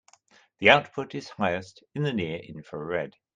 The output is highest in the near infrared.